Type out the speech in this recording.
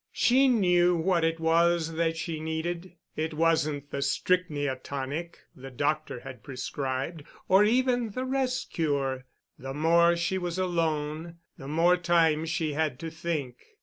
She knew what it was that she needed. It wasn't the strychnia tonic the doctor had prescribed, or even the rest cure. The more she was alone, the more time she had to think.